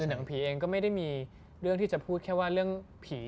หนังผีเองก็ไม่ได้มีเรื่องที่จะพูดแค่ว่าเรื่องผี